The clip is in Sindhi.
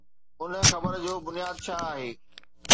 ان خبر جو بنياد ڇا آهي؟